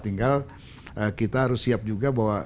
tinggal kita harus siap juga bahwa